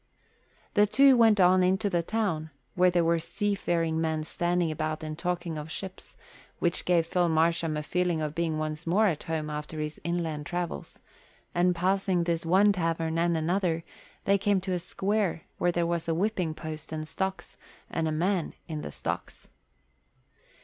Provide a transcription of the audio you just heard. The two went on into the town, where there were seafaring men standing about and talking of ships, which gave Phil Marsham a feeling of being once more at home after his inland travels; and passing this one tavern and another, they came to a square where there was a whipping post and a stocks, and a man in the stocks.